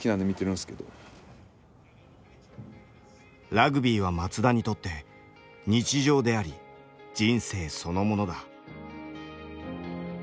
ラグビーは松田にとって日常であり人生そのものだ。